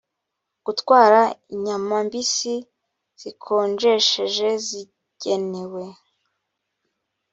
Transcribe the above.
gutwara inyama mbisi zikonjesheje zigenewe